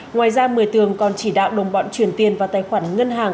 ngoài ra một mươi tường còn chỉ đạo đồng bọn chuyển tiền vào tài khoản ngân hàng